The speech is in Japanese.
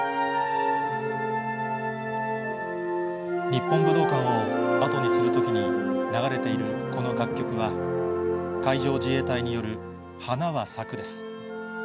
日本武道館を後にするときに流れているこの楽曲は、海上自衛隊による、花は咲くです。